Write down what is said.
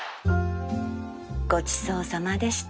ごちそうさまでした